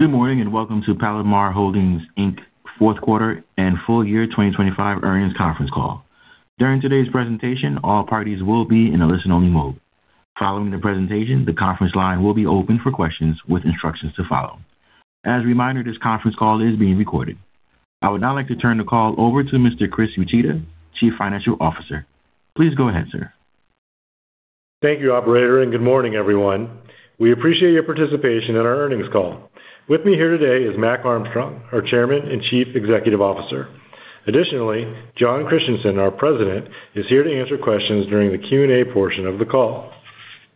Good morning, and welcome to Palomar Holdings, Inc. fourth quarter and full year 2025 earnings conference call. During today's presentation, all parties will be in a listen-only mode. Following the presentation, the conference line will be open for questions with instructions to follow. As a reminder, this conference call is being recorded. I would now like to turn the call over to Mr. Chris Uchida, Chief Financial Officer. Please go ahead, sir. Thank you, operator, and good morning, everyone. We appreciate your participation in our earnings call. With me here today is Mac Armstrong, our Chairman and Chief Executive Officer. Additionally, Jon Christianson, our President, is here to answer questions during the Q&A portion of the call.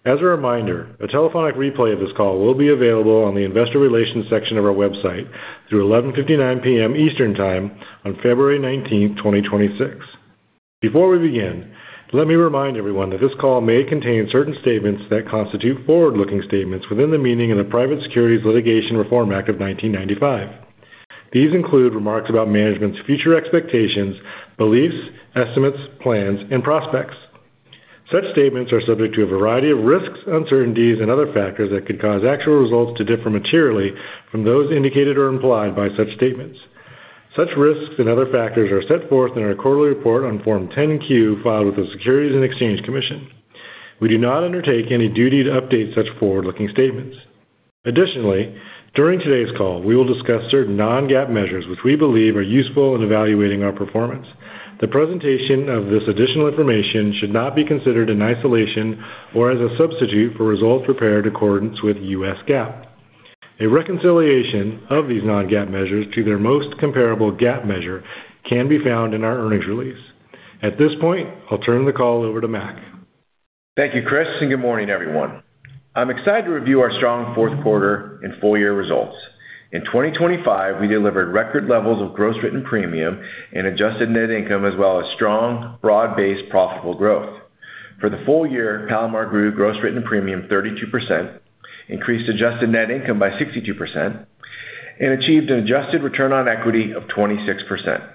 As a reminder, a telephonic replay of this call will be available on the investor relations section of our website through 11:59 P.M. Eastern Time on February 19, 2026. Before we begin, let me remind everyone that this call may contain certain statements that constitute forward-looking statements within the meaning of the Private Securities Litigation Reform Act of 1995. These include remarks about management's future expectations, beliefs, estimates, plans, and prospects. Such statements are subject to a variety of risks, uncertainties, and other factors that could cause actual results to differ materially from those indicated or implied by such statements. Such risks and other factors are set forth in our quarterly report on Form 10-Q, filed with the Securities and Exchange Commission. We do not undertake any duty to update such forward-looking statements. Additionally, during today's call, we will discuss certain non-GAAP measures which we believe are useful in evaluating our performance. The presentation of this additional information should not be considered in isolation or as a substitute for results prepared in accordance with U.S. GAAP. A reconciliation of these non-GAAP measures to their most comparable GAAP measure can be found in our earnings release. At this point, I'll turn the call over to Mac. Thank you, Chris, and good morning, everyone. I'm excited to review our strong fourth quarter and full-year results. In` 2025, we delivered record levels of gross written premium and adjusted net income, as well as strong, broad-based, profitable growth. For the full year, Palomar grew gross written premium 32%, increased adjusted net income by 62%, and achieved an adjusted return on equity of 26%.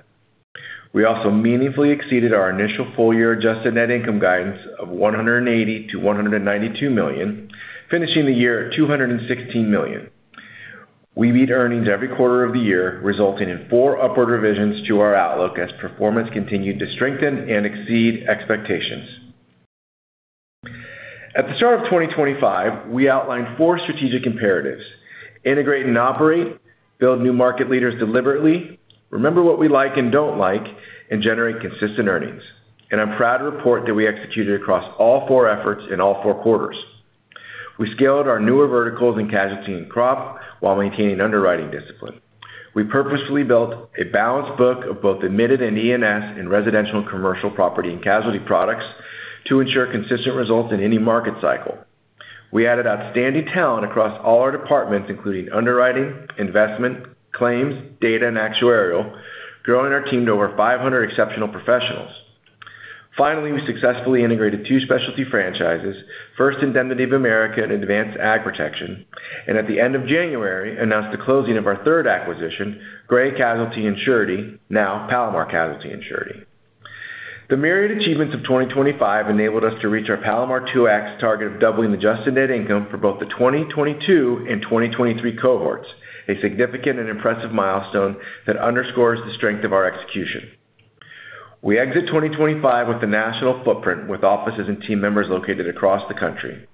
We also meaningfully exceeded our initial full-year adjusted net income guidance of $180 million-$192 million, finishing the year at $216 million. We beat earnings every quarter of the year, resulting in four upward revisions to our outlook as performance continued to strengthen and exceed expectations. At the start of 2025, we outlined four strategic imperatives: integrate and operate, build new market leaders deliberately, remember what we like and don't like, and generate consistent earnings. I'm proud to report that we executed across all four efforts in all four quarters. We scaled our newer verticals in casualty and crop while maintaining underwriting discipline. We purposefully built a balanced book of both admitted and E&S in residential and commercial property and casualty products to ensure consistent results in any market cycle. We added outstanding talent across all our departments, including underwriting, investment, claims, data, and actuarial, growing our team to over 500 exceptional professionals. Finally, we successfully integrated two specialty franchises, First Indemnity of America and Advanced AgProtection, and at the end of January, announced the closing of our third acquisition, Gray Casualty & Surety, now Palomar Casualty & Surety. The myriad achievements of 2025 enabled us to reach our Palomar 2X target of doubling the adjusted net income for both the 2022 and 2023 cohorts, a significant and impressive milestone that underscores the strength of our execution. We exit 2025 with a national footprint, with offices and team members located across the country.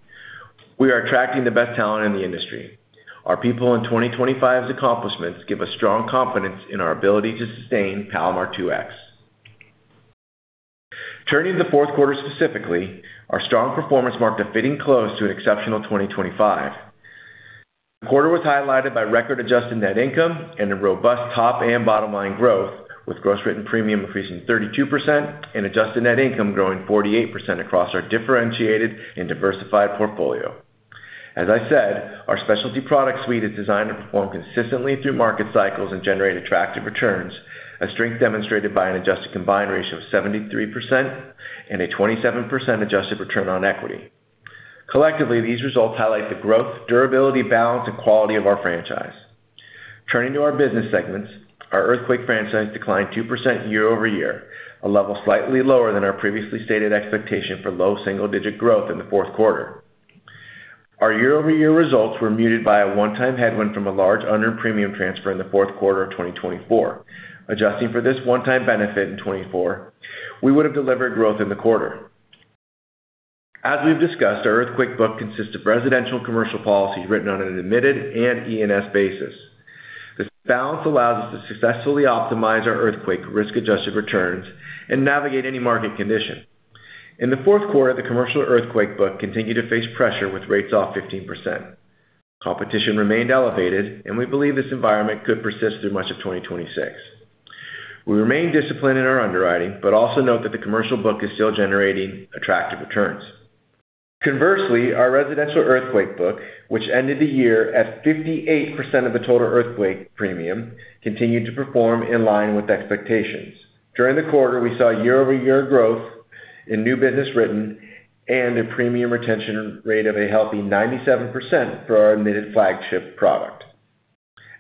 We are attracting the best talent in the industry. Our people in 2025's accomplishments give us strong confidence in our ability to sustain Palomar 2X. Turning to the fourth quarter specifically, our strong performance marked a fitting close to an exceptional 2025. The quarter was highlighted by record adjusted net income and a robust top and bottom line growth, with gross written premium increasing 32% and adjusted net income growing 48% across our differentiated and diversified portfolio. As I said, our specialty product suite is designed to perform consistently through market cycles and generate attractive returns, a strength demonstrated by an adjusted combined ratio of 73% and a 27% adjusted return on equity. Collectively, these results highlight the growth, durability, balance, and quality of our franchise. Turning to our business segments, our earthquake franchise declined 2% year-over-year, a level slightly lower than our previously stated expectation for low single-digit growth in the fourth quarter. Our year-over-year results were muted by a one-time headwind from a large unearned premium transfer in the fourth quarter of 2024. Adjusting for this one-time benefit in 2024, we would have delivered growth in the quarter. As we've discussed, our earthquake book consists of residential commercial policies written on an admitted and E&S basis. This balance allows us to successfully optimize our earthquake risk-adjusted returns and navigate any market condition. In the fourth quarter, the commercial earthquake book continued to face pressure, with rates off 15%. Competition remained elevated, and we believe this environment could persist through much of 2026. We remain disciplined in our underwriting, but also note that the commercial book is still generating attractive returns. Conversely, our residential earthquake book, which ended the year at 58% of the total earthquake premium, continued to perform in line with expectations. During the quarter, we saw year-over-year growth in new business written and a premium retention rate of a healthy 97% for our admitted flagship product.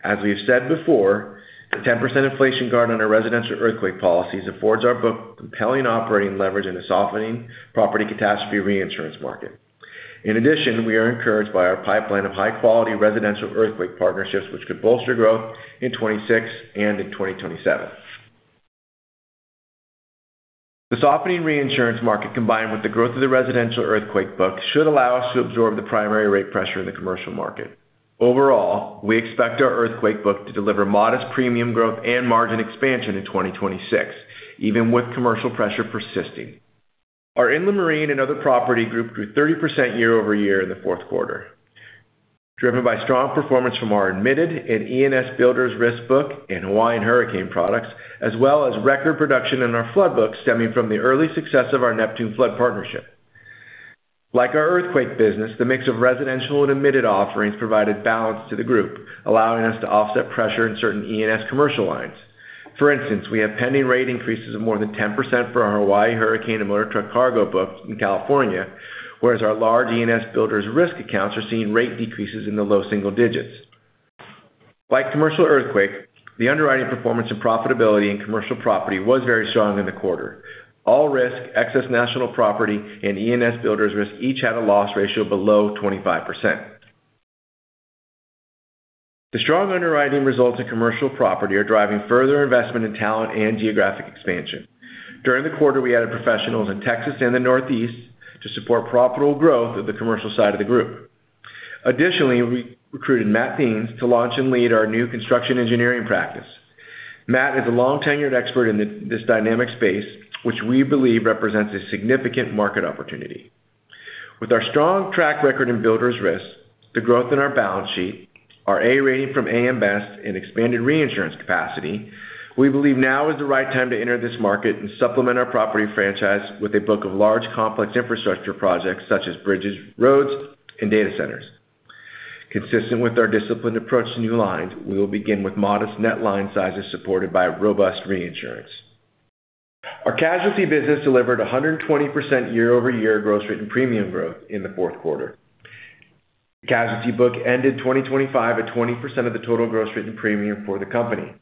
As we've said before, the 10% inflation guard on our residential earthquake policies affords our book compelling operating leverage in a softening property catastrophe reinsurance market. In addition, we are encouraged by our pipeline of high-quality residential earthquake partnerships, which could bolster growth in 2026 and in 2027. The softening reinsurance market, combined with the growth of the residential earthquake book, should allow us to absorb the primary rate pressure in the commercial market. Overall, we expect our earthquake book to deliver modest premium growth and margin expansion in 2026, even with commercial pressure persisting. Our Inland Marine and other property group grew 30% year-over-year in the fourth quarter, driven by strong performance from our admitted and E&S Builders Risk book in Hawaiian hurricane products, as well as record production in our flood book, stemming from the early success of our Neptune Flood partnership. Like our earthquake business, the mix of residential and admitted offerings provided balance to the group, allowing us to offset pressure in certain E&S commercial lines. For instance, we have pending rate increases of more than 10% for our Hawaii hurricane and motor truck cargo book in California, whereas our large E&S Builders Risk accounts are seeing rate decreases in the low single digits. Like commercial earthquake, the underwriting performance and profitability in commercial property was very strong in the quarter. All risk, excess national property, and E&S Builders Risk each had a loss ratio below 25%. The strong underwriting results in commercial property are driving further investment in talent and geographic expansion. During the quarter, we added professionals in Texas and the Northeast to support profitable growth of the commercial side of the group. Additionally, we recruited Matt Deans to launch and lead our new construction engineering practice. Matt is a long-tenured expert in this dynamic space, which we believe represents a significant market opportunity. With our strong track record in Builders Risk, the growth in our balance sheet, our A rating from AM Best and expanded reinsurance capacity, we believe now is the right time to enter this market and supplement our property franchise with a book of large, complex infrastructure projects such as bridges, roads, and data centers. Consistent with our disciplined approach to new lines, we will begin with modest net line sizes supported by robust reinsurance. Our casualty business delivered 120% year-over-year gross written premium growth in the fourth quarter. Casualty book ended 2025 at 20% of the total gross written premium for the company.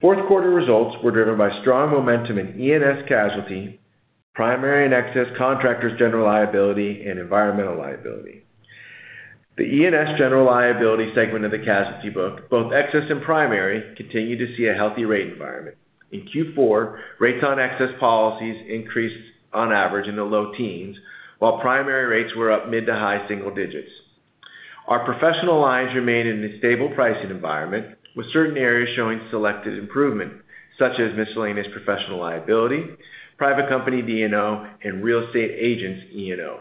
Fourth quarter results were driven by strong momentum in E&S casualty, primary and excess contractors' general liability, and environmental liability. The E&S general liability segment of the casualty book, both excess and primary, continued to see a healthy rate environment. In Q4, rates on excess policies increased on average in the low teens, while primary rates were up mid to high single digits. Our professional lines remained in a stable pricing environment, with certain areas showing selected improvement, such as miscellaneous professional liability, private company D&O, and real estate agents E&O.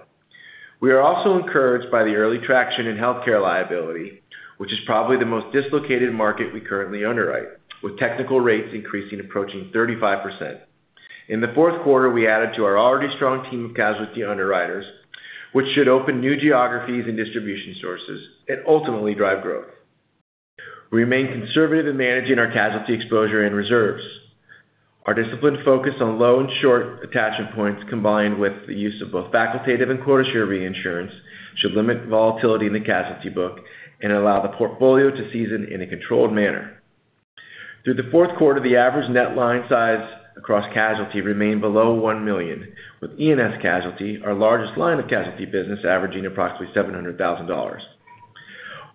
We are also encouraged by the early traction in healthcare liability, which is probably the most dislocated market we currently underwrite, with technical rates increasing, approaching 35%. In the fourth quarter, we added to our already strong team of casualty underwriters, which should open new geographies and distribution sources and ultimately drive growth. We remain conservative in managing our casualty exposure and reserves. Our disciplined focus on low and short attachment points, combined with the use of both facultative and quota share reinsurance, should limit volatility in the casualty book and allow the portfolio to season in a controlled manner. Through the fourth quarter, the average net line size across casualty remained below $1 million, with E&S Casualty, our largest line of casualty business, averaging approximately $700,000.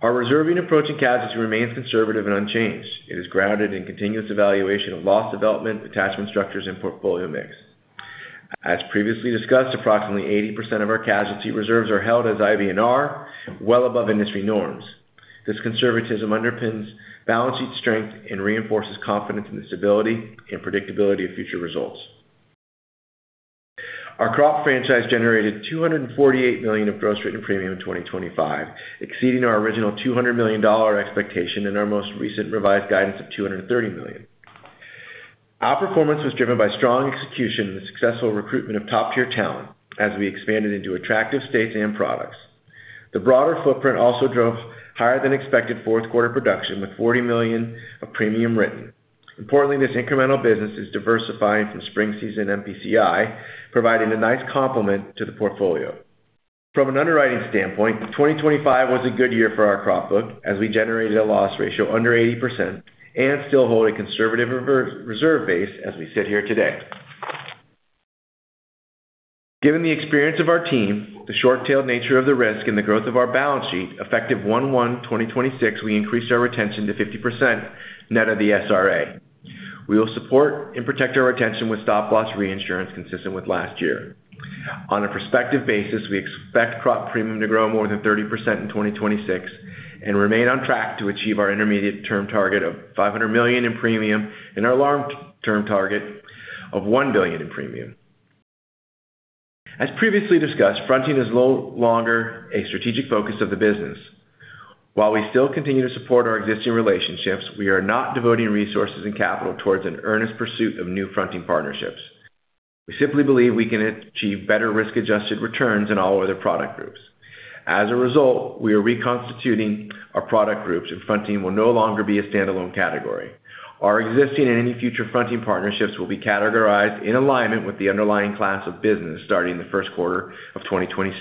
Our reserving approach in casualty remains conservative and unchanged. It is grounded in continuous evaluation of loss development, attachment structures and portfolio mix. As previously discussed, approximately 80% of our casualty reserves are held as IBNR, well above industry norms. This conservatism underpins balance sheet strength and reinforces confidence in the stability and predictability of future results. Our crop franchise generated $248 million of gross written premium in 2025, exceeding our original $200 million expectation and our most recent revised guidance of $230 million. Our performance was driven by strong execution and the successful recruitment of top-tier talent as we expanded into attractive states and products. The broader footprint also drove higher than expected fourth quarter production, with $40 million of premium written. Importantly, this incremental business is diversifying from spring season MPCI, providing a nice complement to the portfolio. From an underwriting standpoint, 2025 was a good year for our crop book as we generated a loss ratio under 80% and still hold a conservative reserve base as we sit here today. Given the experience of our team, the short-tailed nature of the risk and the growth of our balance sheet, effective 1/1/2026, we increased our retention to 50% net of the SRA. We will support and protect our retention with stop-loss reinsurance consistent with last year. On a prospective basis, we expect crop premium to grow more than 30% in 2026 and remain on track to achieve our intermediate-term target of $500 million in premium and our long-term target of $1 billion in premium. As previously discussed, fronting is no longer a strategic focus of the business. While we still continue to support our existing relationships, we are not devoting resources and capital towards an earnest pursuit of new fronting partnerships. We simply believe we can achieve better risk-adjusted returns in all other product groups. As a result, we are reconstituting our product groups, and fronting will no longer be a standalone category. Our existing and any future fronting partnerships will be categorized in alignment with the underlying class of business starting in the first quarter of 2026.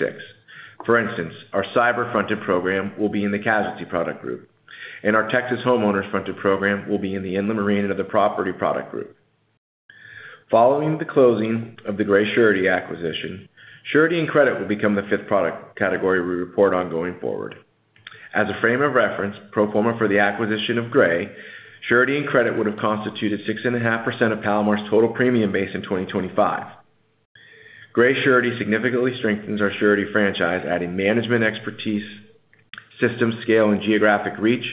For instance, our cyber fronted program will be in the casualty product group, and our Texas homeowners fronted program will be in the Inland Marine of the property product group. Following the closing of the Gray Surety acquisition, Surety and Credit will become the fifth product category we report on going forward. As a frame of reference, pro forma for the acquisition of Gray, Surety and Credit would have constituted 6.5% of Palomar's total premium base in 2025. Gray Surety significantly strengthens our surety franchise, adding management expertise, system scale, and geographic reach,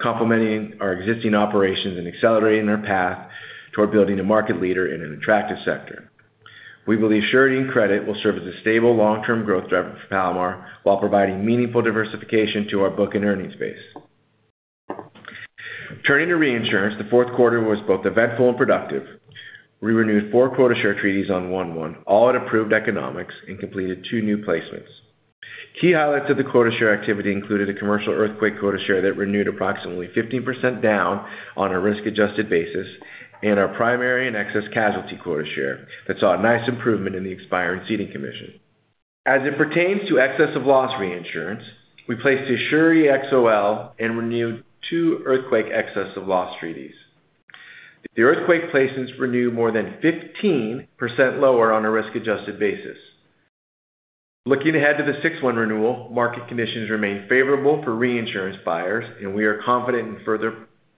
complementing our existing operations and accelerating our path toward building a market leader in an attractive sector. We believe Surety and Credit will serve as a stable, long-term growth driver for Palomar, while providing meaningful diversification to our book and earnings base. Turning to reinsurance, the fourth quarter was both eventful and productive. We renewed 4 quota share treaties on 1/1, all at approved economics, and completed two new placements. Key highlights of the quota share activity included a commercial earthquake quota share that renewed approximately 15% down on a risk-adjusted basis, and our primary and excess casualty quota share, that saw a nice improvement in the expiring ceding commission. As it pertains to excess of loss reinsurance, we placed a surety XOL and renewed two earthquake excess of loss treaties. The earthquake placements renewed more than 15% lower on a risk-adjusted basis. Looking ahead to the 6/1 renewal, market conditions remain favorable for reinsurance buyers, and we are confident in further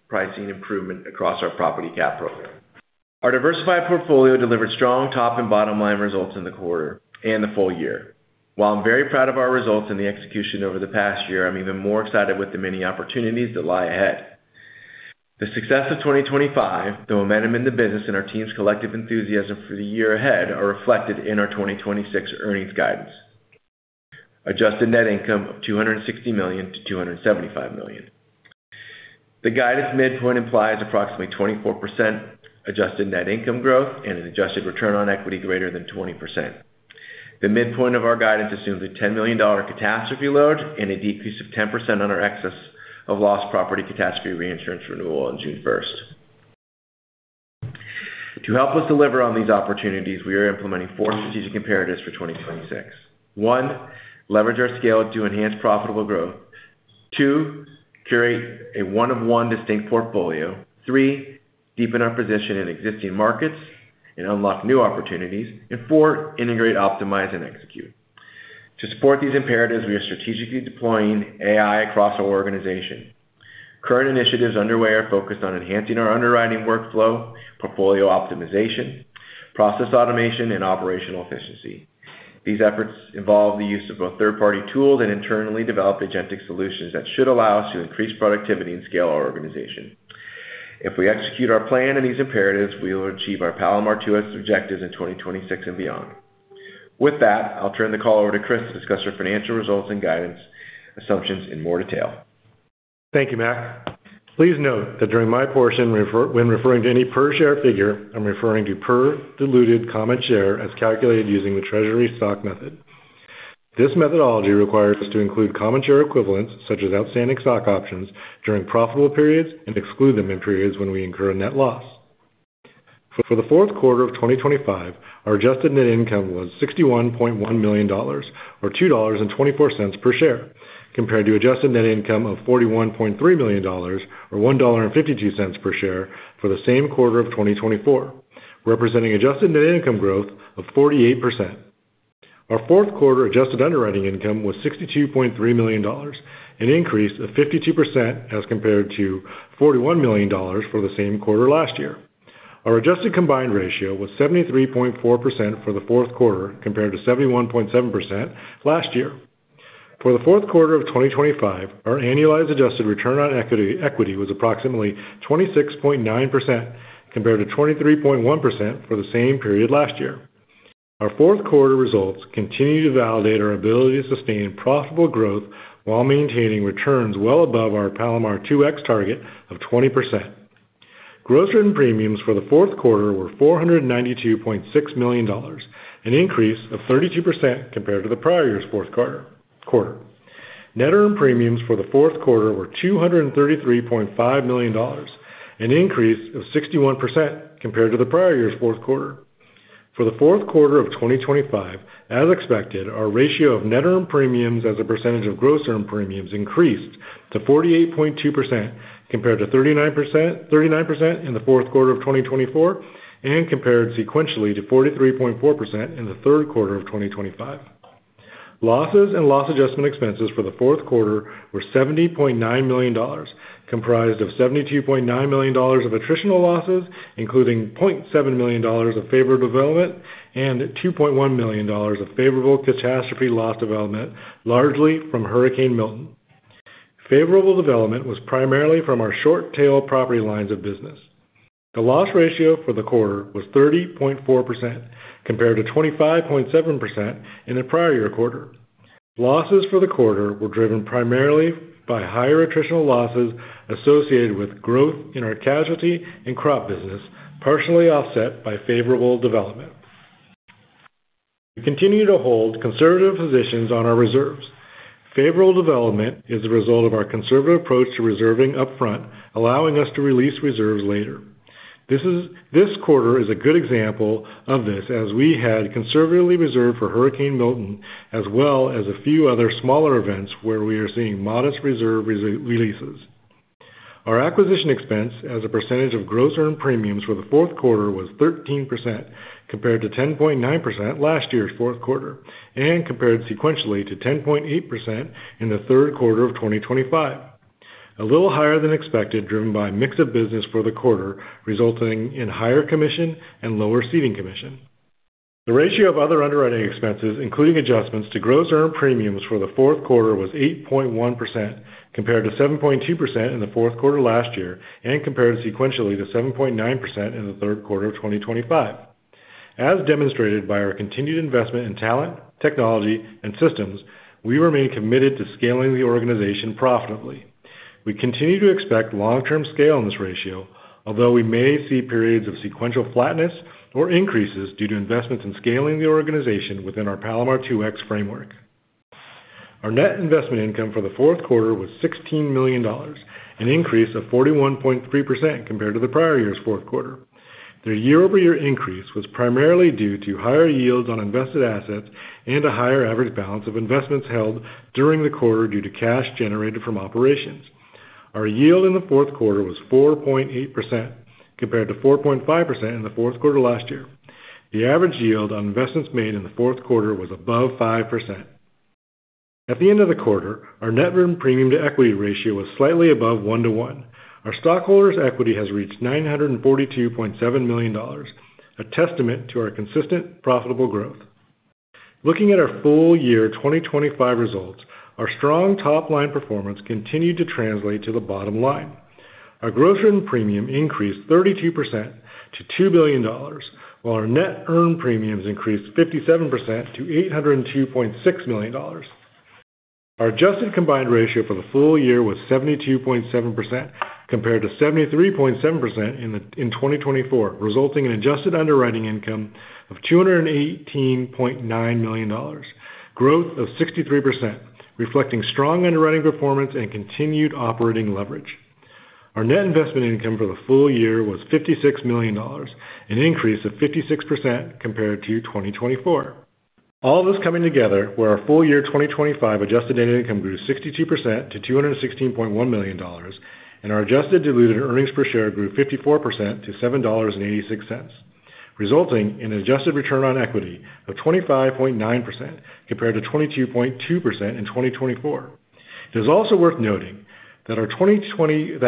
pricing improvement across our property cap program. Our diversified portfolio delivered strong top and bottom line results in the quarter and the full year. While I'm very proud of our results and the execution over the past year, I'm even more excited with the many opportunities that lie ahead. The success of 2025, the momentum in the business, and our team's collective enthusiasm for the year ahead are reflected in our 2026 earnings guidance. Adjusted net income of $260 million-$275 million. The guidance midpoint implies approximately 24% adjusted net income growth and an adjusted return on equity greater than 20%. The midpoint of our guidance assumes a $10 million catastrophe load and a decrease of 10% on our excess of loss property catastrophe reinsurance renewal on June first. To help us deliver on these opportunities, we are implementing four strategic imperatives for 2026. One, leverage our scale to enhance profitable growth. Two, curate a one-of-one distinct portfolio. Three, deepen our position in existing markets and unlock new opportunities. And four, integrate, optimize, and execute. To support these imperatives, we are strategically deploying AI across our organization. Current initiatives underway are focused on enhancing our underwriting workflow, portfolio optimization, process automation, and operational efficiency. These efforts involve the use of both third-party tools and internally developed agentic solutions that should allow us to increase productivity and scale our organization. If we execute our plan and these imperatives, we will achieve our Palomar 2X objectives in 2026 and beyond. With that, I'll turn the call over to Chris to discuss our financial results and guidance assumptions in more detail. Thank you, Matt. Please note that during my portion, when referring to any per share figure, I'm referring to per diluted common share as calculated using the treasury stock method. This methodology requires us to include common share equivalents, such as outstanding stock options, during profitable periods and exclude them in periods when we incur a net loss. For the fourth quarter of 2025, our adjusted net income was $61.1 million, or $2.24 per share, compared to adjusted net income of $41.3 million, or $1.52 per share for the same quarter of 2024, representing adjusted net income growth of 48%. Our fourth quarter adjusted underwriting income was $62.3 million, an increase of 52% as compared to $41 million for the same quarter last year. Our Adjusted Combined Ratio was 73.4% for the fourth quarter, compared to 71.7% last year. For the fourth quarter of 2025, our annualized adjusted return on equity was approximately 26.9%, compared to 23.1% for the same period last year. Our fourth quarter results continue to validate our ability to sustain profitable growth while maintaining returns well above our Palomar 2X target of 20%. Gross written premiums for the fourth quarter were $492.6 million, an increase of 32% compared to the prior year's fourth quarter. Net earned premiums for the fourth quarter were $233.5 million, an increase of 61% compared to the prior year's fourth quarter. For the fourth quarter of 2025, as expected, our ratio of net earned premiums as a percentage of gross earned premiums increased to 48.2%, compared to 39% in the fourth quarter of 2024, and compared sequentially to 43.4% in the third quarter of 2025. Losses and loss adjustment expenses for the fourth quarter were $70.9 million, comprised of $72.9 million of attritional losses, including $0.7 million of favorable development and $2.1 million of favorable catastrophe loss development, largely from Hurricane Milton. Favorable development was primarily from our short tail property lines of business. The loss ratio for the quarter was 30.4%, compared to 25.7% in the prior year quarter. Losses for the quarter were driven primarily by higher attritional losses associated with growth in our casualty and crop business, partially offset by favorable development. We continue to hold conservative positions on our reserves. Favorable development is a result of our conservative approach to reserving upfront, allowing us to release reserves later. This quarter is a good example of this, as we had conservatively reserved for Hurricane Milton, as well as a few other smaller events where we are seeing modest reserve releases. Our acquisition expense as a percentage of gross earned premiums for the fourth quarter was 13%, compared to 10.9% last year's fourth quarter, and compared sequentially to 10.8% in the third quarter of 2025. A little higher than expected, driven by mix of business for the quarter, resulting in higher commission and lower ceding commission. The ratio of other underwriting expenses, including adjustments to gross earned premiums for the fourth quarter, was 8.1%, compared to 7.2% in the fourth quarter last year, and compared sequentially to 7.9% in the third quarter of 2025. As demonstrated by our continued investment in talent, technology, and systems, we remain committed to scaling the organization profitably. We continue to expect long-term scale in this ratio, although we may see periods of sequential flatness or increases due to investments in scaling the organization within our Palomar 2X framework. Our net investment income for the fourth quarter was $16 million, an increase of 41.3% compared to the prior year's fourth quarter. The year-over-year increase was primarily due to higher yields on invested assets and a higher average balance of investments held during the quarter due to cash generated from operations. Our yield in the fourth quarter was 4.8%, compared to 4.5% in the fourth quarter last year. The average yield on investments made in the fourth quarter was above 5%. At the end of the quarter, our net earned premium to equity ratio was slightly above 1:1. Our stockholders' equity has reached $942.7 million, a testament to our consistent profitable growth. Looking at our full year 2025 results, our strong top-line performance continued to translate to the bottom line. Our gross written premium increased 32% to $2 billion, while our net earned premiums increased 57% to $802.6 million. Our adjusted combined ratio for the full year was 72.7%, compared to 73.7% in 2024, resulting in adjusted underwriting income of $218.9 million, growth of 63%, reflecting strong underwriting performance and continued operating leverage. Our net investment income for the full year was $56 million, an increase of 56% compared to 2024. All of this coming together, where our full year 2025 adjusted net income grew 62% to $216.1 million, and our adjusted diluted earnings per share grew 54% to $7.86, resulting in an adjusted return on equity of 25.9% compared to 22.2% in 2024. It is also worth noting that our 2025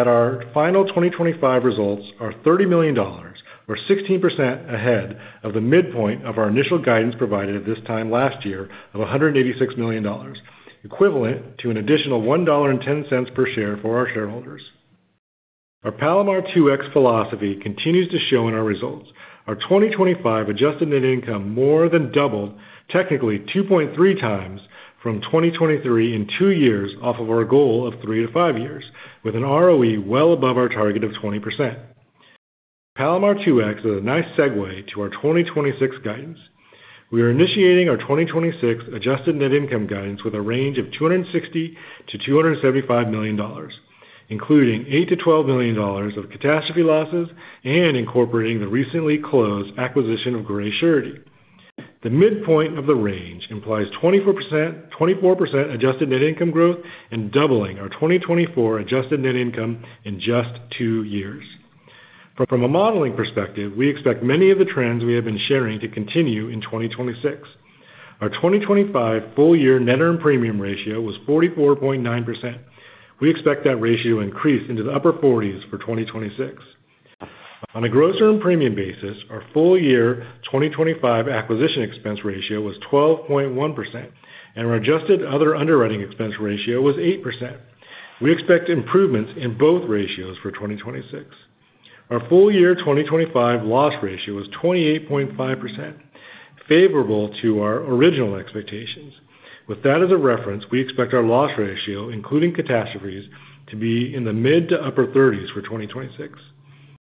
results are $30 million, or 16% ahead of the midpoint of our initial guidance provided at this time last year of $186 million, equivalent to an additional $1.10 per share for our shareholders. Our Palomar 2X philosophy continues to show in our results. Our 2025 adjusted net income more than doubled, technically 2.3x from 2023 in two years off of our goal of 3-5 years, with an ROE well above our target of 20%. Palomar 2X is a nice segue to our 2026 guidance. We are initiating our 2026 adjusted net income guidance with a range of $260 million-$275 million, including $8 million-$12 million of catastrophe losses and incorporating the recently closed acquisition of Gray Surety. The midpoint of the range implies 24%, 24% adjusted net income growth and doubling our 2024 adjusted net income in just two years. From a modeling perspective, we expect many of the trends we have been sharing to continue in 2026. Our 2025 full year net earned premium ratio was 44.9%. We expect that ratio to increase into the upper 40s for 2026. On a gross earned premium basis, our full year 2025 acquisition expense ratio was 12.1%, and our adjusted other underwriting expense ratio was 8%. We expect improvements in both ratios for 2026. Our full year 2025 loss ratio was 28.5%, favorable to our original expectations. With that as a reference, we expect our loss ratio, including catastrophes, to be in the mid- to upper 30s for 2026.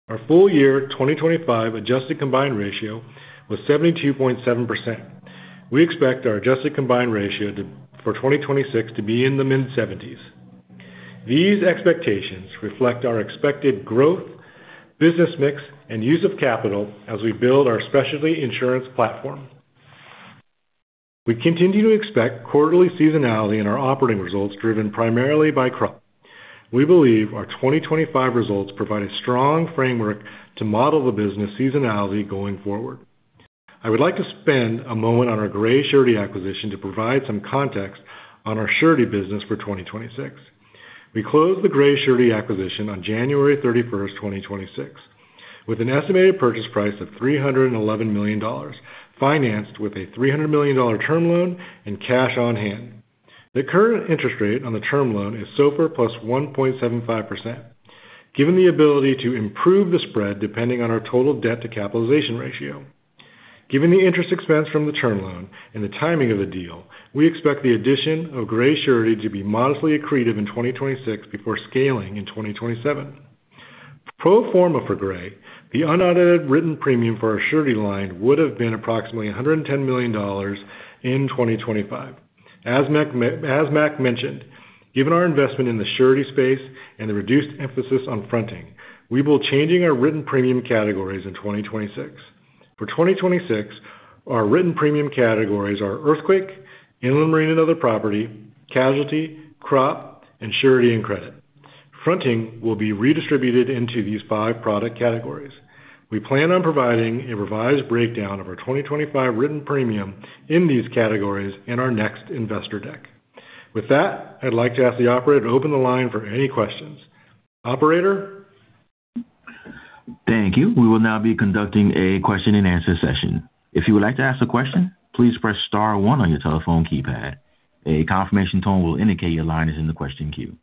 Our full year 2025 adjusted combined ratio was 72.7%. We expect our adjusted combined ratio for 2026 to be in the mid-70s. These expectations reflect our expected growth, business mix, and use of capital as we build our specialty insurance platform. We continue to expect quarterly seasonality in our operating results, driven primarily by crop. We believe our 2025 results provide a strong framework to model the business seasonality going forward. I would like to spend a moment on our Gray Surety acquisition to provide some context on our Surety business for 2026. We closed the Gray Surety acquisition on January 31st, 2026, with an estimated purchase price of $311 million, financed with a $300 million term loan and cash on hand. The current interest rate on the term loan is SOFR + 1.75%, given the ability to improve the spread depending on our total debt to capitalization ratio. Given the interest expense from the term loan and the timing of the deal, we expect the addition of Gray Surety to be modestly accretive in 2026 before scaling in 2027. Pro forma for Gray, the unaudited written premium for our Surety line would have been approximately $110 million in 2025. As Mack, as Mack mentioned, given our investment in the Surety space and the reduced emphasis on fronting, we will be changing our written premium categories in 2026. For 2026, our written premium categories are earthquake, inland marine and other property, casualty, crop, and surety and credit. Fronting will be redistributed into these five product categories. We plan on providing a revised breakdown of our 2025 written premium in these categories in our next investor deck. With that, I'd like to ask the operator to open the line for any questions. Operator? Thank you. We will now be conducting a question-and-answer session. If you would like to ask a question, please press star one on your telephone keypad. A confirmation tone will indicate your line is in the question queue.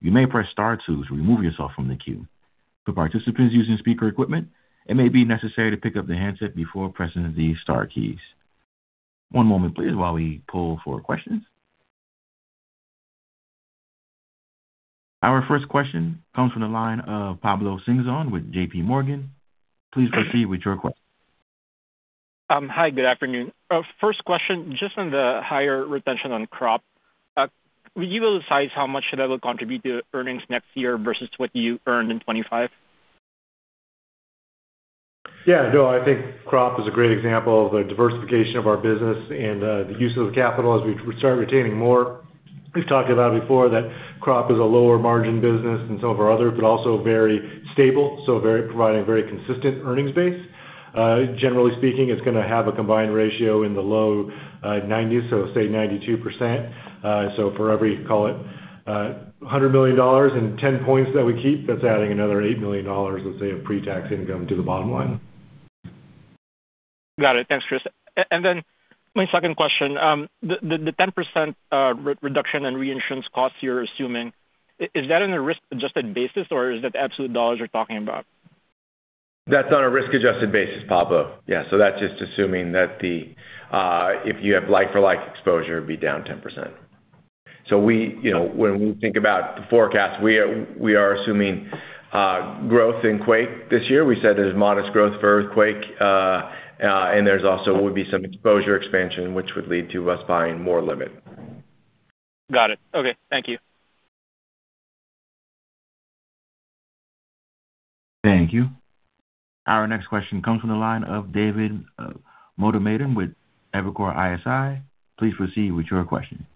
You may press star two to remove yourself from the queue. For participants using speaker equipment, it may be necessary to pick up the handset before pressing the star keys. One moment please, while we pull for questions. Our first question comes from the line of Pablo Singzon with JP Morgan. Please proceed with your question. Hi, good afternoon. First question, just on the higher retention on crop, will you be able to decide how much that will contribute to earnings next year versus what you earned in 2025? Yeah, no, I think crop is a great example of the diversification of our business and, the use of the capital as we start retaining more. We've talked about it before, that crop is a lower margin business than some of our others, but also very stable, so very providing a very consistent earnings base. Generally speaking, it's going to have a combined ratio in the low 90s, so say 92%. So for every, call it, $100 million and 10 points that we keep, that's adding another $8 million, let's say, of pre-tax income to the bottom line. Got it. Thanks, Chris. And then my second question, the 10% reduction in reinsurance costs you're assuming, is that on a risk-adjusted basis, or is that absolute dollars you're talking about? That's on a risk-adjusted basis, Pablo. Yeah, so that's just assuming that the if you have like-for-like exposure, it'd be down 10%. So we, you know, when we think about the forecast, we are assuming growth in quake this year. We said there's modest growth for earthquake, and there's also would be some exposure expansion, which would lead to us buying more limit. Got it. Okay. Thank you. Thank you. Our next question comes from the line of David Motamedi with Evercore ISI. Please proceed with your question.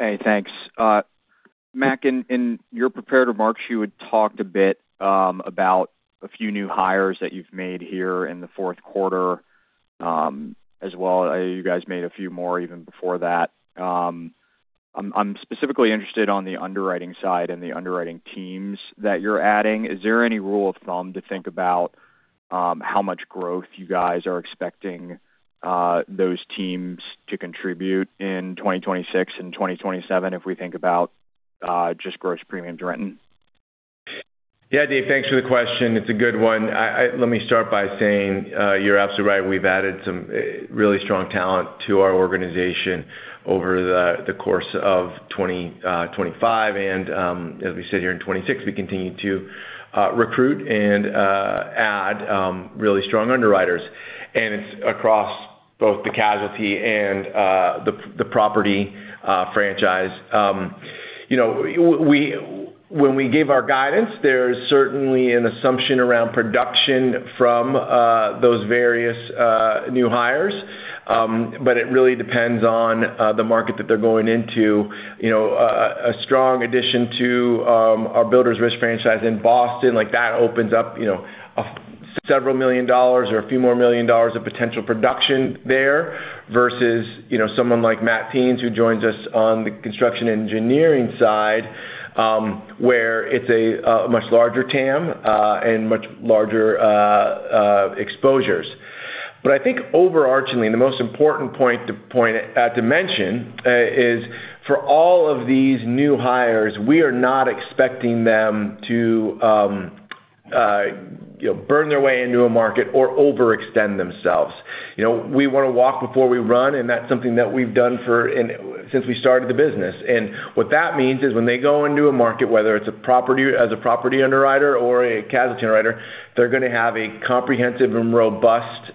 Hey, thanks. Mac, in your prepared remarks, you had talked a bit about a few new hires that you've made here in the fourth quarter, as well. You guys made a few more even before that. I'm specifically interested on the underwriting side and the underwriting teams that you're adding. Is there any rule of thumb to think about how much growth you guys are expecting those teams to contribute in 2026 and 2027, if we think about just gross premiums written? Yeah, Dave, thanks for the question. It's a good one. Let me start by saying, you're absolutely right. We've added some really strong talent to our organization over the course of 2025, and as we sit here in 2026, we continue to recruit and add really strong underwriters, and it's across both the casualty and the property franchise. You know, when we gave our guidance, there's certainly an assumption around production from those various new hires, but it really depends on the market that they're going into. You know, a strong addition to our Builders Risk franchise in Boston, like that opens up, you know, several million dollars or a few more million dollars of potential production there, versus, you know, someone like Matt Deans, who joins us on the construction engineering side, where it's a much larger TAM, and much larger exposures. But I think overarchingly, the most important point to point to mention is for all of these new hires, we are not expecting them to, you know, burn their way into a market or overextend themselves. You know, we want to walk before we run, and that's something that we've done since we started the business. And what that means is when they go into a market, whether it's a property, as a property underwriter or a casualty underwriter, they're going to have a comprehensive and robust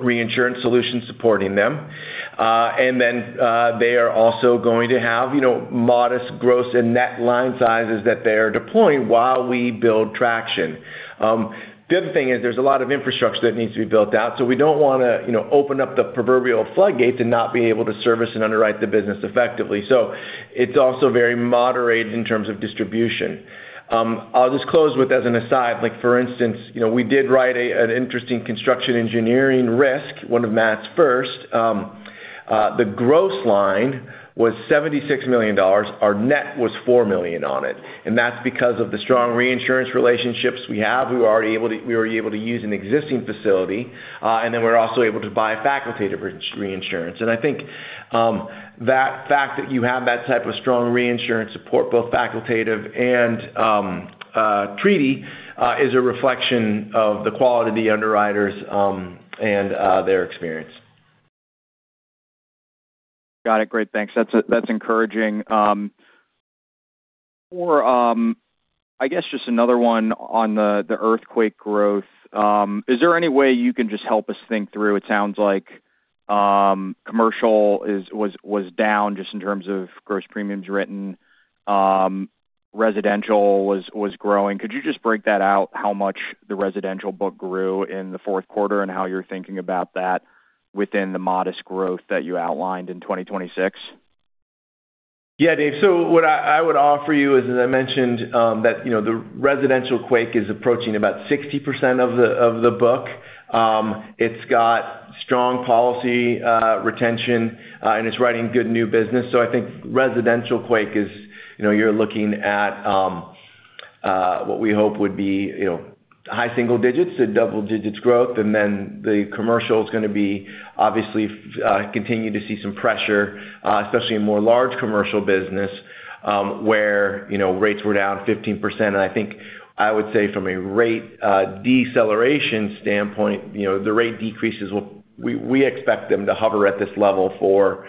reinsurance solution supporting them. And then, they are also going to have, you know, modest gross and net line sizes that they are deploying while we build traction. The other thing is there's a lot of infrastructure that needs to be built out, so we don't want to, you know, open up the proverbial floodgates and not be able to service and underwrite the business effectively. So it's also very moderate in terms of distribution. I'll just close with, as an aside, like, for instance, you know, we did write an interesting construction engineering risk, one of Matt's first. The gross line was $76 million. Our net was $4 million on it, and that's because of the strong reinsurance relationships we have. We were able to use an existing facility, and then we're also able to buy facultative reinsurance. And I think that fact that you have that type of strong reinsurance support, both facultative and treaty, is a reflection of the quality of the underwriters, and their experience. Got it. Great, thanks. That's, that's encouraging. Or, I guess just another one on the earthquake growth. Is there any way you can just help us think through? It sounds like commercial was down just in terms of gross premiums written. Residential was growing. Could you just break that out, how much the residential book grew in the fourth quarter, and how you're thinking about that within the modest growth that you outlined in 2026? Yeah, Dave. So what I would offer you is, as I mentioned, that, you know, the residential quake is approaching about 60% of the book. It's got strong policy retention, and it's writing good new business. So I think residential quake is, you know, you're looking at what we hope would be, you know, high single digits to double digits growth. And then the commercial is going to be obviously continue to see some pressure, especially in more large commercial business, where, you know, rates were down 15%. And I think I would say from a rate deceleration standpoint, you know, the rate decreases we expect them to hover at this level for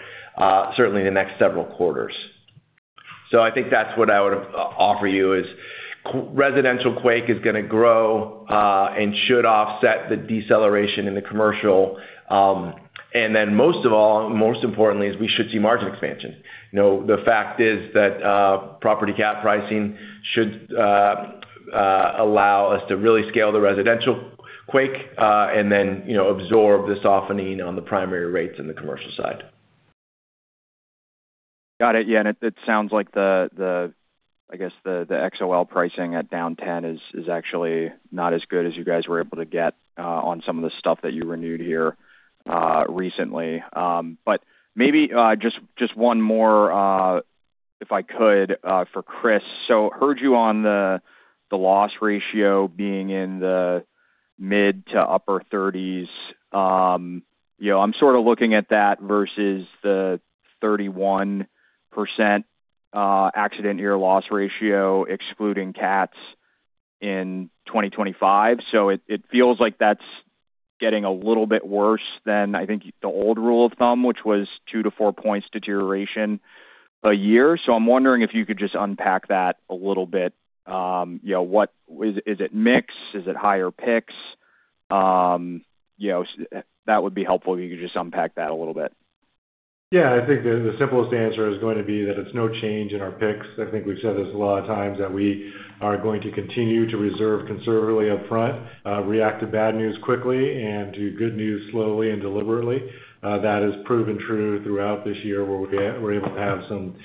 certainly the next several quarters. So I think that's what I would offer you, is residential quake is going to grow, and should offset the deceleration in the commercial. And then most of all, most importantly, is we should see margin expansion. You know, the fact is that, property cap pricing should allow us to really scale the residential quake, and then, you know, absorb the softening on the primary rates in the commercial side. Got it. Yeah, and it sounds like the, I guess, the XOL pricing at down 10 is actually not as good as you guys were able to get on some of the stuff that you renewed here recently. But maybe just one more, if I could, for Chris. So heard you on the loss ratio being in the mid- to upper 30s. You know, I'm sort of looking at that versus the 31% accident year loss ratio, excluding cats, in 2025. So it feels like that's getting a little bit worse than, I think, the old rule of thumb, which was 2-4 points deterioration a year. So I'm wondering if you could just unpack that a little bit. You know, what-- Is it mix? Is it higher picks? You know, that would be helpful if you could just unpack that a little bit. Yeah, I think the simplest answer is going to be that it's no change in our picks. I think we've said this a lot of times, that we are going to continue to reserve conservatively upfront, react to bad news quickly and to good news slowly and deliberately. That has proven true throughout this year, where we're able to have some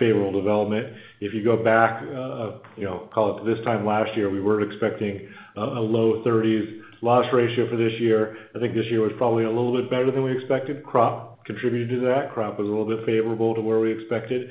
favorable development. If you go back, you know, call it this time last year, we were expecting a low-30s loss ratio for this year. I think this year was probably a little bit better than we expected. Crop contributed to that. Crop was a little bit favorable to where we expected,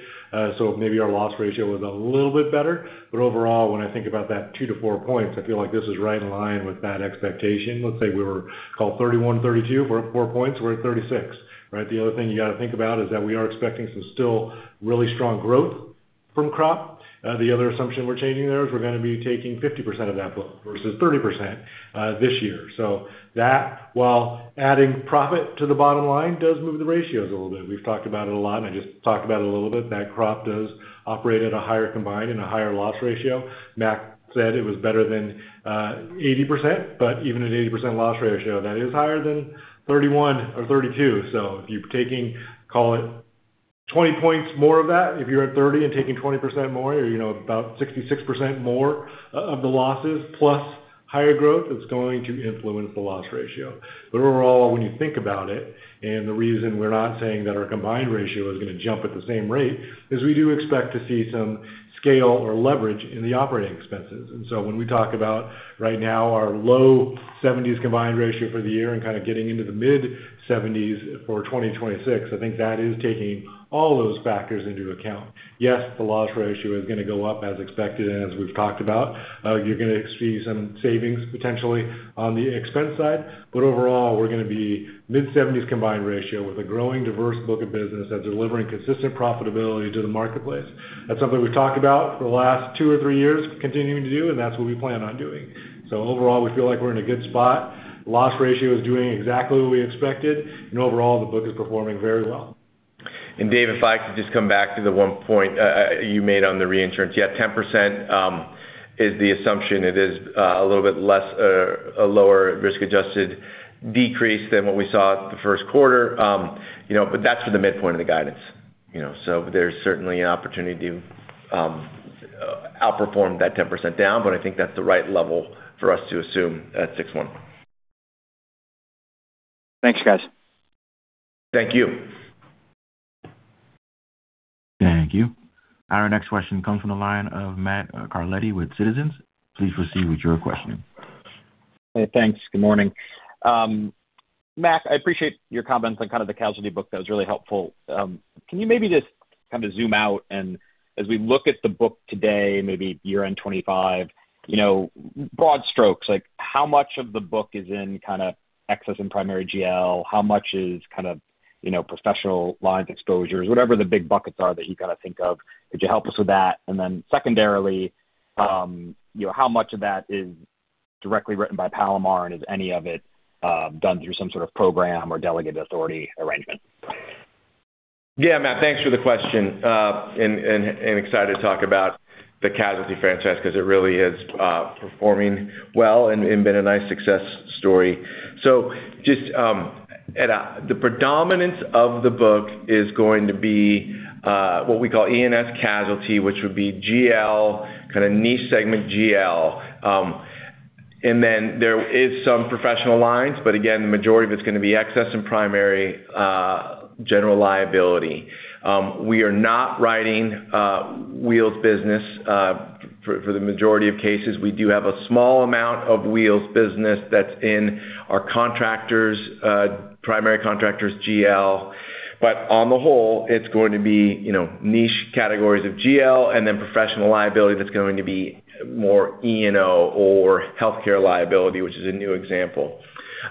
so maybe our loss ratio was a little bit better. But overall, when I think about that 2-4 points, I feel like this is right in line with that expectation. Let's say we were call it 31, 32, we're at 4 points, we're at 36, right? The other thing you got to think about is that we are expecting some still really strong growth from crop. The other assumption we're changing there is we're going to be taking 50% of that book versus 30%, this year. So that, while adding profit to the bottom line, does move the ratios a little bit. We've talked about it a lot, and I just talked about it a little bit. That crop does operate at a higher combined and a higher loss ratio. Mac said it was better than 80%, but even at 80% loss ratio, that is higher than 31 or 32. So if you're taking, call it 20 points more of that, if you're at 30 and taking 20% more, or you know, about 66% more of the losses, plus higher growth, it's going to influence the loss ratio. But overall, when you think about it, and the reason we're not saying that our combined ratio is going to jump at the same rate, is we do expect to see some scale or leverage in the operating expenses. And so when we talk about right now, our low 70s combined ratio for the year and kind of getting into the mid-70s for 2026, I think that is taking all those factors into account. Yes, the loss ratio is going to go up as expected and as we've talked about. You're going to see some savings potentially on the expense side, but overall, we're going to be mid-70s combined ratio with a growing diverse book of business that's delivering consistent profitability to the marketplace. That's something we've talked about for the last two or three years continuing to do, and that's what we plan on doing. So overall, we feel like we're in a good spot. Loss ratio is doing exactly what we expected, and overall, the book is performing very well. And Dave, if I could just come back to the one point you made on the reinsurance. Yeah, 10% is the assumption. It is a little bit less, a lower risk-adjusted decrease than what we saw the first quarter. You know, but that's for the midpoint of the guidance, you know, so there's certainly an opportunity to outperform that 10% down, but I think that's the right level for us to assume at 6:1. Thanks, guys. Thank you. Thank you. Our next question comes from the line of Matt Carletti with Citizens. Please proceed with your questioning. Hey, thanks. Good morning. Mac, I appreciate your comments on kind of the casualty book. That was really helpful. Can you maybe just kind of zoom out and as we look at the book today, maybe year-end 2025, you know, broad strokes, like how much of the book is in kind of excess and primary GL? How much is kind of, you know, professional lines exposures, whatever the big buckets are that you kind of think of, could you help us with that? And then secondarily, you know, how much of that is directly written by Palomar, and is any of it done through some sort of program or delegated authority arrangement? .Yeah, Matt, thanks for the question, and excited to talk about the casualty franchise because it really is performing well and been a nice success story. So just, the predominance of the book is going to be what we call E&S casualty, which would be GL, kind of niche segment GL. And then there is some professional lines, but again, the majority of it's going to be excess and primary, general liability. We are not writing wheels business for the majority of cases. We do have a small amount of wheels business that's in our contractors, primary contractors GL. But on the whole, it's going to be, you know, niche categories of GL and then professional liability that's going to be more E&O or healthcare liability, which is a new example,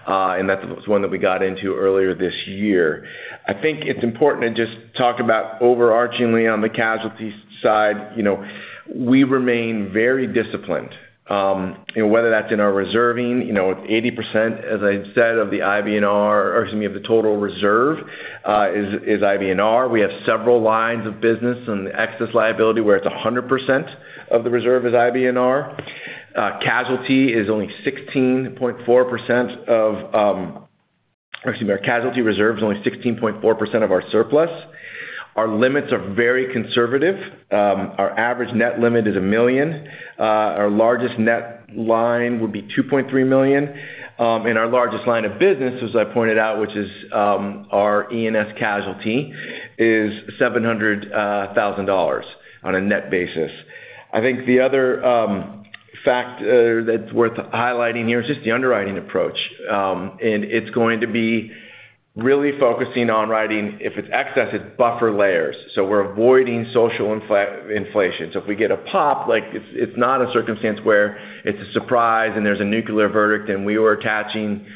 and that's one that we got into earlier this year. I think it's important to just talk about overarchingly on the casualty side, you know, we remain very disciplined. And whether that's in our reserving, you know, 80%, as I said, of the IBNR or excuse me, of the total reserve, is IBNR. We have several lines of business and excess liability, where it's 100% of the reserve is IBNR. Casualty is only 16.4% of, excuse me, our casualty reserve is only 16.4% of our surplus. Our limits are very conservative. Our average net limit is $1 million. Our largest net line would be $2.3 million. And our largest line of business, as I pointed out, which is our E&S casualty, is $700,000 on a net basis. I think the other fact that's worth highlighting here is just the underwriting approach. And it's going to be really focusing on writing. If it's excess, it's buffer layers, so we're avoiding social inflation. So if we get a pop, like it's not a circumstance where it's a surprise, and there's a nuclear verdict, and we were attaching,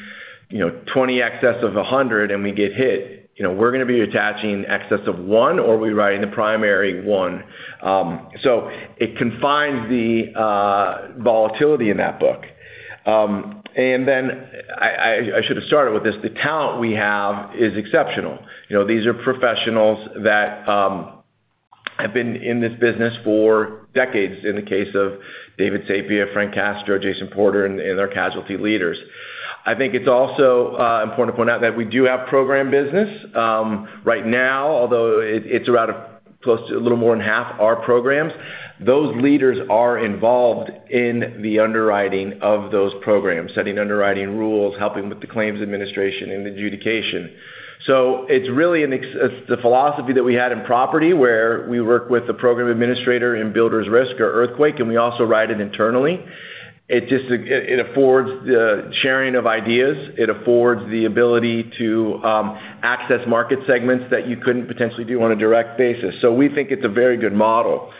you know, 20 excess of 100, and we get hit. You know, we're going to be attaching excess of one, or we writing the primary one. So it confines the volatility in that book. And then I should have started with this: the talent we have is exceptional. You know, these are professionals that have been in this business for decades, in the case of David Sapia, Frank Castro, Jason Porter, and our casualty leaders. I think it's also important to point out that we do have program business. Right now, although it's around close to a little more than half our programs, those leaders are involved in the underwriting of those programs, setting underwriting rules, helping with the claims administration and adjudication. So it's really the philosophy that we had in property, where we work with the program administrator in Builders Risk or Earthquake, and we also write it internally. It just affords the sharing of ideas. It affords the ability to access market segments that you couldn't potentially do on a direct basis. So we think it's a very good model.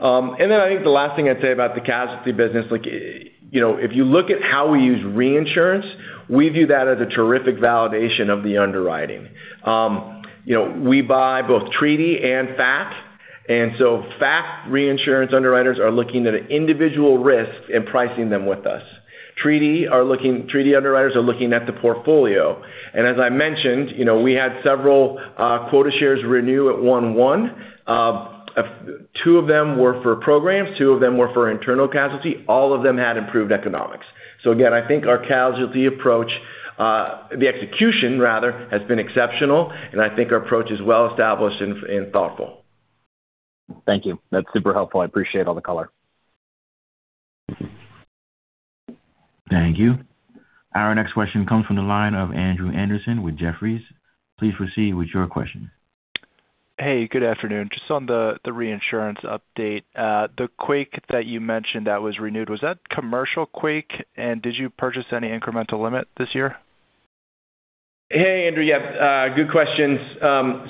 And then I think the last thing I'd say about the casualty business, like, you know, if you look at how we use reinsurance, we view that as a terrific validation of the underwriting. You know, we buy both treaty and fac, and so fac reinsurance underwriters are looking at individual risks and pricing them with us. Treaty underwriters are looking at the portfolio, and as I mentioned, you know, we had several quota shares renew at 1-1. Two of them were for programs, two of them were for internal casualty. All of them had improved economics. So again, I think our casualty approach, the execution rather, has been exceptional, and I think our approach is well established and thoughtful. Thank you. That's super helpful. I appreciate all the color. Thank you. Our next question comes from the line of Andrew Andersen with Jefferies. Please proceed with your question. Hey, good afternoon. Just on the reinsurance update, the quake that you mentioned that was renewed, was that commercial quake, and did you purchase any incremental limit this year? Hey, Andrew. Yep, good questions.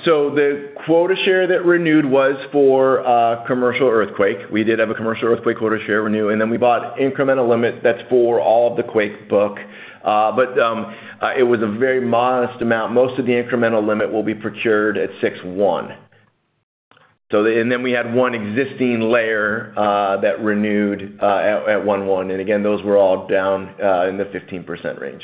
So the quota share that renewed was for commercial earthquake. We did have a commercial earthquake quota share renew, and then we bought incremental limit that's for all of the quake book. But it was a very modest amount. Most of the incremental limit will be procured at 6:1. So then, and then we had one existing layer that renewed at 1:1, and again, those were all down in the 15% range.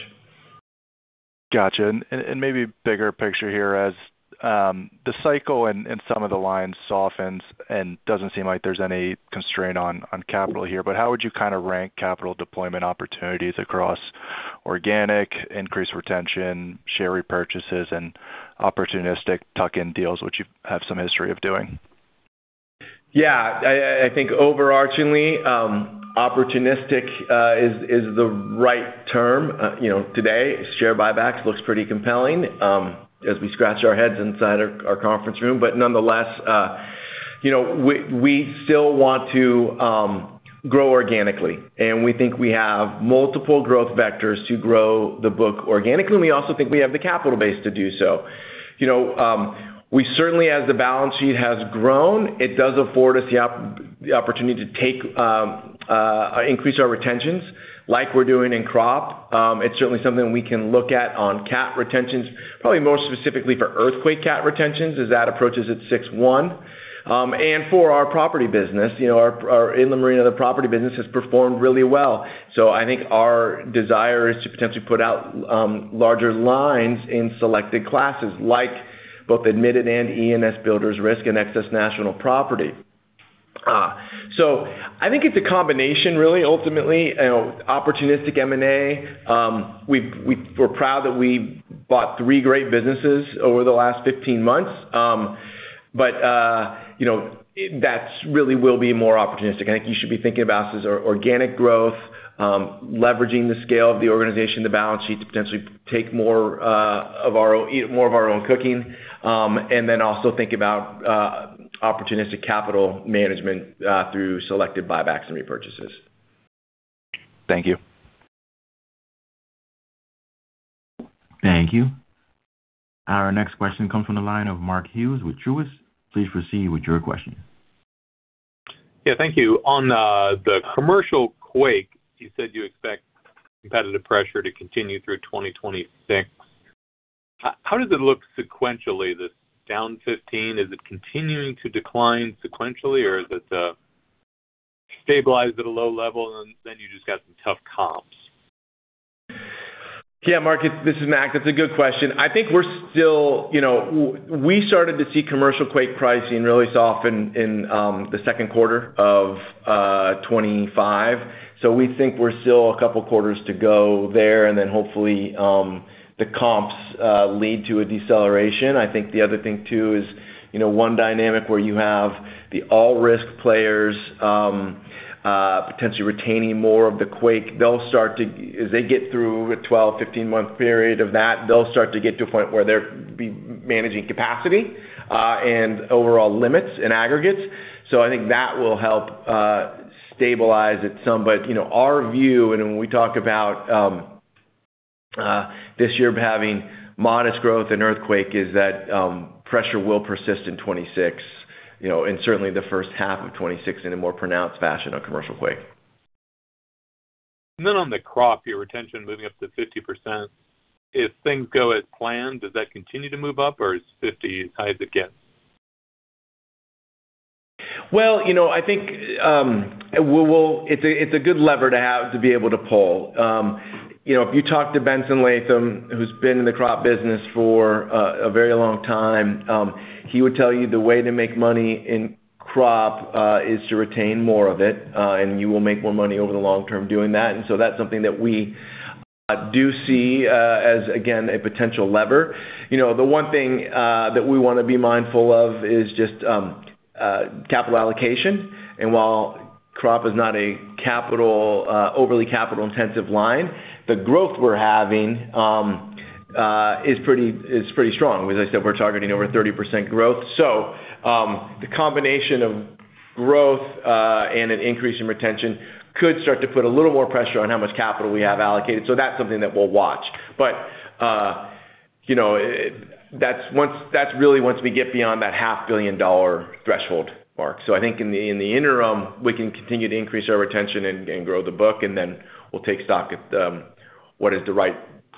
Gotcha. And maybe bigger picture here as the cycle and some of the lines softens and doesn't seem like there's any constraint on capital here, but how would you kind of rank capital deployment opportunities across organic, increased retention, share repurchases, and opportunistic tuck-in deals, which you have some history of doing? Yeah, I think overarchingly, opportunistic, is the right term. You know, today, share buybacks looks pretty compelling, as we scratch our heads inside our conference room. But nonetheless, you know, we still want to grow organically, and we think we have multiple growth vectors to grow the book organically, and we also think we have the capital base to do so. You know, we certainly, as the balance sheet has grown, it does afford us the opportunity to increase our retentions like we're doing in crop. It's certainly something we can look at on cat retentions, probably more specifically for earthquake cat retentions as that approaches at 6:1. And for our property business, you know, our Inland Marine, the property business has performed really well. So I think our desire is to potentially put out larger lines in selected classes, like both admitted and E&S Builders Risk and excess national property. So I think it's a combination, really, ultimately, opportunistic M&A. We're proud that we bought three great businesses over the last 15 months. But you know, that's really will be more opportunistic. I think you should be thinking about is our organic growth, leveraging the scale of the organization, the balance sheet, to potentially take more of our own, more of our own cooking. And then also think about opportunistic capital management through selected buybacks and repurchases. Thank you. Thank you. Our next question comes from the line of Mark Hughes with Truist. Please proceed with your question. Yeah, thank you. On the commercial quake, you said you expect competitive pressure to continue through 2026. How does it look sequentially, this down 15? Is it continuing to decline sequentially, or is it stabilized at a low level and then you just got some tough comps? Yeah, Mark, this is Mac. That's a good question. I think we're still, you know, we started to see commercial quake pricing really soften in the second quarter of 2025. So we think we're still a couple of quarters to go there, and then hopefully the comps lead to a deceleration. I think the other thing, too, is, you know, one dynamic where you have the all-risk players potentially retaining more of the quake. They'll start to - as they get through a 12, 15-month period of that, they'll start to get to a point where they'll be managing capacity and overall limits and aggregates. So I think that will help stabilize it some. You know, our view and when we talk about this year having modest growth in earthquake is that pressure will persist in 2026, you know, and certainly the first half of 2026 in a more pronounced fashion on commercial quake. And then on the crop, your retention moving up to 50%. If things go as planned, does that continue to move up, or is 50 as high as it gets? Well, you know, I think, it's a good lever to have, to be able to pull. You know, if you talk to Benson Latham, who's been in the crop business for a very long time, he would tell you the way to make money in crop is to retain more of it, and you will make more money over the long term doing that. And so that's something that we do see as, again, a potential lever. You know, the one thing that we want to be mindful of is just capital allocation. And while crop is not a capital overly capital-intensive line, the growth we're having is pretty strong. As I said, we're targeting over 30% growth. So, the combination of growth, and an increase in retention could start to put a little more pressure on how much capital we have allocated. So that's something that we'll watch. But, you know, that's really once we get beyond that $500 million threshold, Mark. So I think in the interim, we can continue to increase our retention and grow the book, and then we'll take stock at what is the right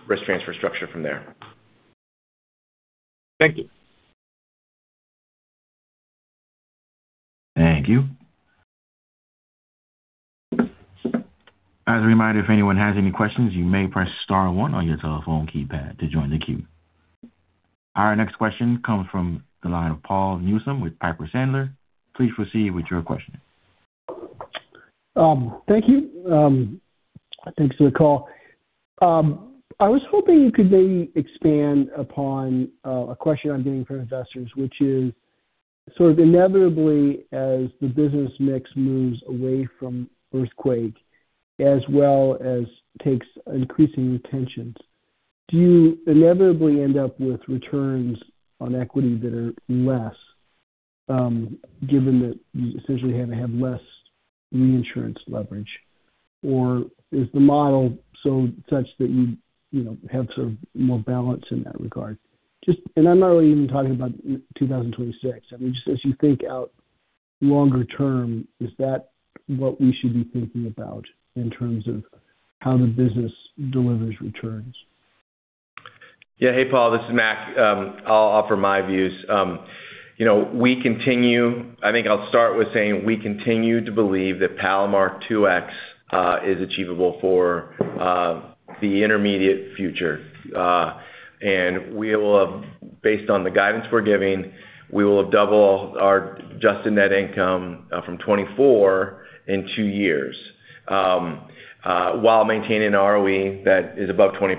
risk transfer structure from there. Thank you. Thank you. As a reminder, if anyone has any questions, you may press star one on your telephone keypad to join the queue. Our next question comes from the line of Paul Newsome with Piper Sandler. Please proceed with your question. Thank you. Thanks for the call. I was hoping you could maybe expand upon a question I'm getting from investors, which is, sort of inevitably, as the business mix moves away from earthquake, as well as takes increasing retentions, do you inevitably end up with returns on equity that are less, given that you essentially have to have less reinsurance leverage? Or is the model so such that you, you know, have sort of more balance in that regard? Just, and I'm not really even talking about 2026. I mean, just as you think out longer term, is that what we should be thinking about in terms of how the business delivers returns? Yeah. Hey, Paul, this is Mac. I'll offer my views. You know, I think I'll start with saying we continue to believe that Palomar 2X is achievable for the intermediate future. And we will have, based on the guidance we're giving, we will have double our adjusted net income from 2024 in two years while maintaining an ROE that is above 20%.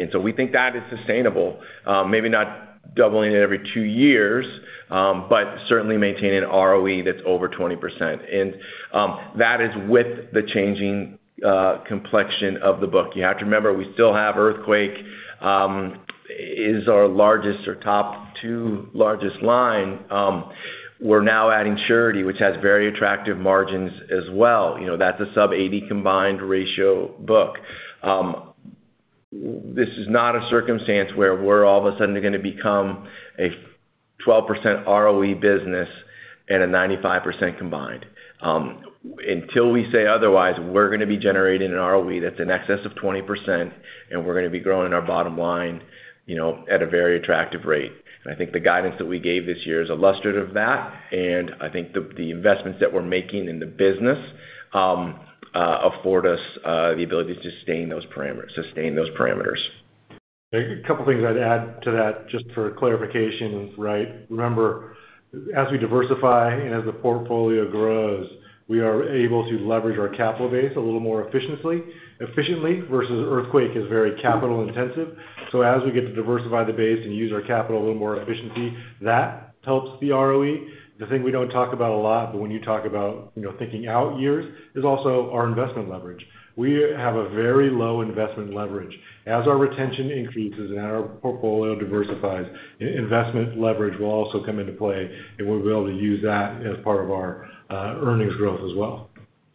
And so we think that is sustainable. Maybe not doubling it every two years, but certainly maintaining an ROE that's over 20%. And that is with the changing complexion of the book. You have to remember, we still have Earthquake is our largest or top two largest line. We're now adding Surety, which has very attractive margins as well. You know, that's a sub-80 combined ratio book. This is not a circumstance where we're all of a sudden going to become a 12% ROE business and a 95% combined. Until we say otherwise, we're going to be generating an ROE that's in excess of 20%, and we're going to be growing our bottom line, you know, at a very attractive rate. And I think the guidance that we gave this year is illustrative of that, and I think the investments that we're making in the business afford us the ability to sustain those parameters, sustain those parameters. A couple things I'd add to that just for clarification, right? Remember, as we diversify and as the portfolio grows, we are able to leverage our capital base a little more efficiently versus earthquake is very capital intensive. So as we get to diversify the base and use our capital a little more efficiently, that helps the ROE. The thing we don't talk about a lot, but when you talk about, you know, thinking out years, is also our investment leverage. We have a very low investment leverage. As our retention increases and our portfolio diversifies, investment leverage will also come into play, and we'll be able to use that as part of our earnings growth as well.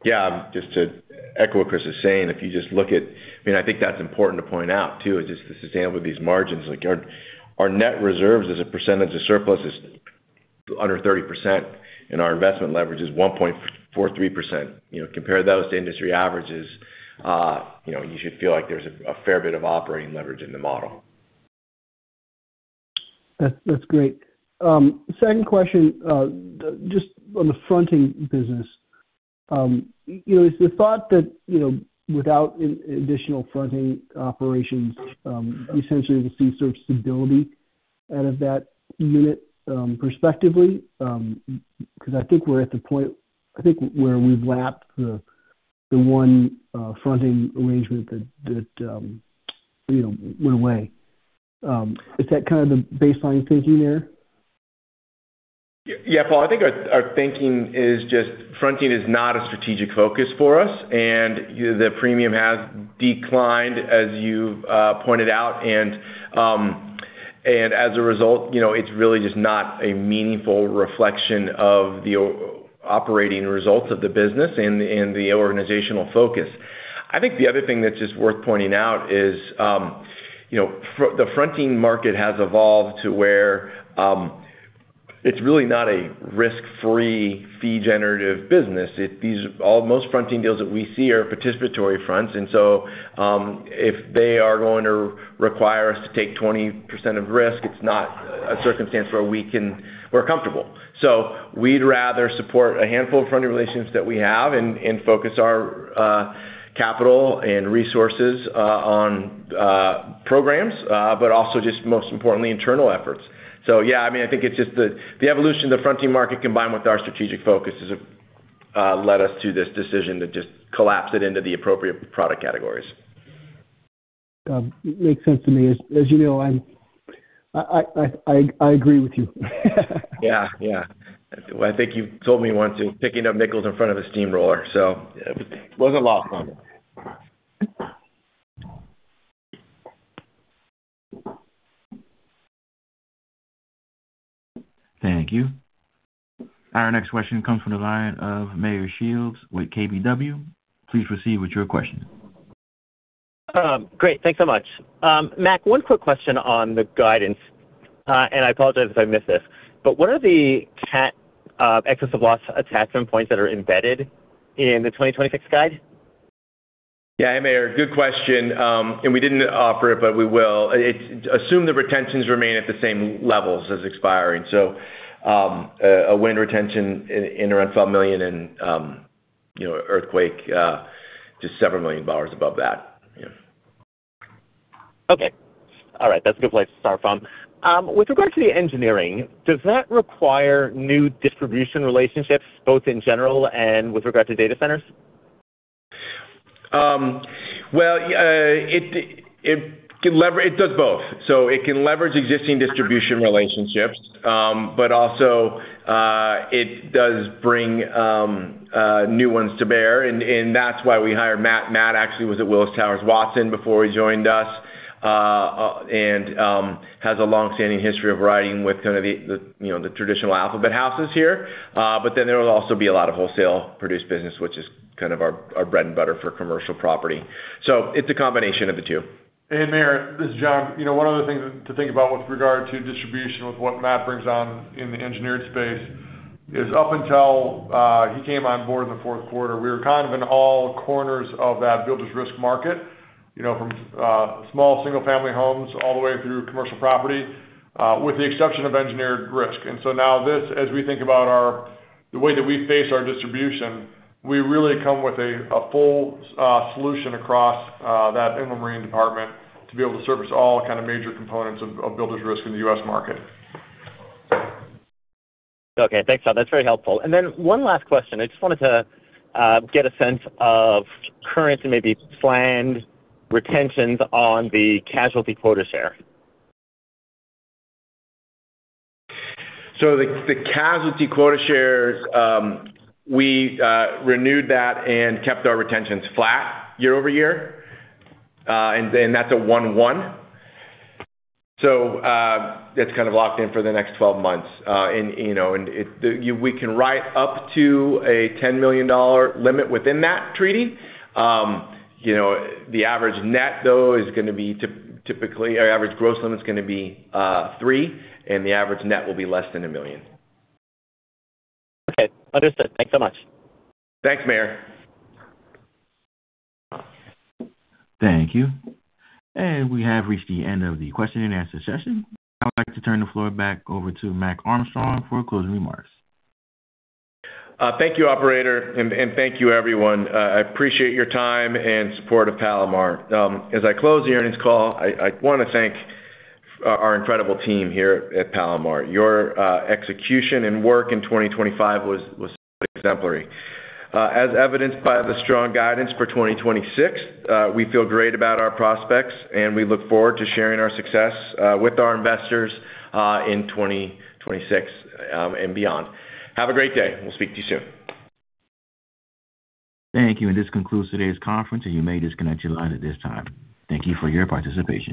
Yeah, just to echo what Chris is saying, if you just look at—I mean, I think that's important to point out, too, is just this example of these margins. Like, our net reserves as a percentage of surplus is under 30%, and our investment leverage is 1.43%. You know, compare those to industry averages, you know, you should feel like there's a fair bit of operating leverage in the model. That's, that's great. Second question, just on the fronting business. You know, is the thought that, you know, without an additional fronting operations, essentially, we see sort of stability out of that unit, perspectively? Because I think we're at the point, I think, where we've lapped the one fronting arrangement that you know went away. Is that kind of the baseline thinking there? Yeah, Paul, I think our thinking is just fronting is not a strategic focus for us, and the premium has declined, as you pointed out. And as a result, you know, it's really just not a meaningful reflection of the operating results of the business and the organizational focus. I think the other thing that's just worth pointing out is, you know, the fronting market has evolved to where it's really not a risk-free, fee-generative business. Most fronting deals that we see are participatory fronts, and so, if they are going to require us to take 20% of risk, it's not a circumstance where we're comfortable. So we'd rather support a handful of fronting relationships that we have and focus our capital and resources on programs, but also just most importantly, internal efforts. So yeah, I mean, I think it's just the evolution of the fronting market combined with our strategic focus has led us to this decision to just collapse it into the appropriate product categories. Makes sense to me. As you know, I agree with you. Yeah. Yeah. I think you told me once you're picking up nickels in front of a steamroller, so it wasn't a lot of fun. Thank you. Our next question comes from the line of Meyer Shields with KBW. Please proceed with your question. Great. Thanks so much. Mac, one quick question on the guidance, and I apologize if I missed this, but what are the cat excess of loss attachment points that are embedded in the 2026 guide? Yeah, hey, Meyer, good question. We didn't offer it, but we will. It's assume the retentions remain at the same levels as expiring. So, a wind retention in around $12 million and, you know, earthquake just several million dollars above that. Yeah. Okay. All right. That's a good place to start from. With regard to the engineering, does that require new distribution relationships, both in general and with regard to data centers? Well, it does both. So it can leverage existing distribution relationships, but also, it does bring new ones to bear, and that's why we hired Matt. Matt actually was at Willis Towers Watson before he joined us, and has a long-standing history of riding with kind of the, you know, the traditional alphabet houses here. But then there will also be a lot of wholesale produced business, which is kind of our bread and butter for commercial property. So it's a combination of the two. Hey, Mayer, this is Jon. You know, one of the things to think about with regard to distribution, with what Matt brings on in the engineered space, is up until he came on board in the fourth quarter, we were kind of in all corners of that builders risk market, you know, from small single-family homes all the way through commercial property with the exception of engineered risk. And so now this, as we think about the way that we face our distribution, we really come with a full solution across that inland marine department to be able to service all kind of major components of builders risk in the U.S. market. Okay, thanks, John. That's very helpful. And then one last question. I just wanted to get a sense of current and maybe planned retentions on the casualty quota share? So the casualty quota shares, we renewed that and kept our retentions flat year-over-year. And that's a 1:1, so it's kind of locked in for the next 12 months. And you know, we can write up to a $10 million limit within that treaty. You know, the average net, though, is going to be typically, our average gross limit is going to be 3, and the average net will be less than $1 million. Okay, understood. Thanks so much. Thanks, Mayer. Thank you. We have reached the end of the question and answer session. I'd like to turn the floor back over to Mac Armstrong for closing remarks. Thank you, operator, and thank you, everyone. I appreciate your time and support of Palomar. As I close the earnings call, I want to thank our incredible team here at Palomar. Your execution and work in 2025 was exemplary. As evidenced by the strong guidance for 2026, we feel great about our prospects, and we look forward to sharing our success with our investors in 2026 and beyond. Have a great day, and we'll speak to you soon. Thank you, and this concludes today's conference, and you may disconnect your line at this time. Thank you for your participation.